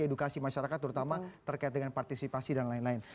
edukasi masyarakat terutama terkait dengan partisipasi dan lain lain